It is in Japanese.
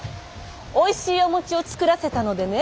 おいしいお餅を作らせたのでね